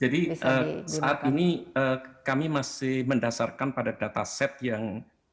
jadi saat ini kami masih mendasarkan pada data set yang